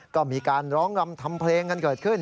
ก็มีการร้องรำทำเพลงกันเกิดขึ้น